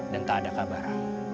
dan tak ada kabar